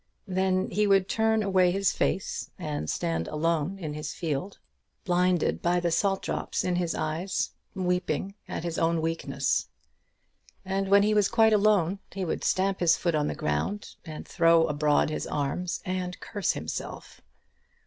Then he would turn away his face, and stand alone in his field, blinded by the salt drops in his eyes, weeping at his own weakness. And when he was quite alone, he would stamp his foot on the ground, and throw abroad his arms, and curse himself.